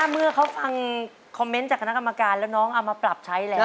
เมื่อเขาฟังคอมเมนต์จากคณะกรรมการแล้วน้องเอามาปรับใช้แล้ว